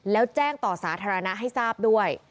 แล้วแจ้งต่อสาธารณะให้ทราบด้วย